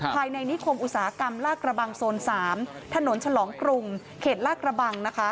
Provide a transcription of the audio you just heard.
ในนิคมอุตสาหกรรมลากระบังโซน๓ถนนฉลองกรุงเขตลาดกระบัง